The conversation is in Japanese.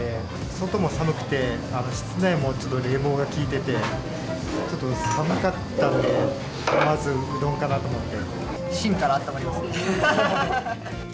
外も寒くて、室内もちょっと冷房が効いてて、ちょっと寒かったんで、しんからあったまります。